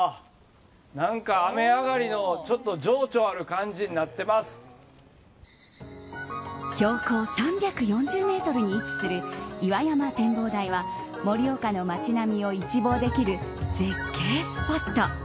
何か雨上がりのちょっと情緒ある感じに標高３４０ｍに位置する岩山展望台は盛岡の街並みを一望できる絶景スポット。